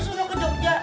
semua ke jogja